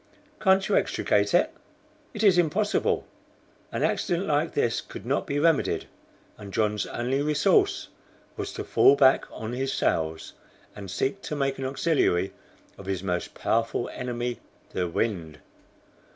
"Can't you extricate it?" "It is impossible." An accident like this could not be remedied, and John's only resource was to fall back on his sails, and seek to make an auxiliary of his most powerful enemy, the wind.